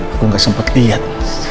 aku gak sempat lihat